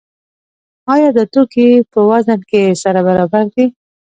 آیا دا توکي په وزن کې سره برابر دي؟